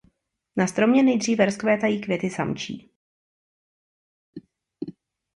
Na stromě nejdříve rozkvétají květy samčí.